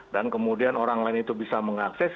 dan kemudian orang lain itu bisa mengakses